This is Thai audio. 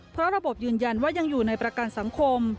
เพราะระบบยืนยันว่ายังอยู่ในประกันสังคม